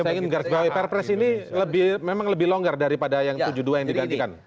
saya ingin menggarisbawahi perpres ini memang lebih longgar daripada yang tujuh puluh dua yang digantikan